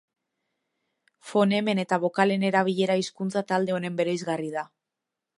Fonemen eta bokalen erabilera hizkuntza talde honen bereizgarri da.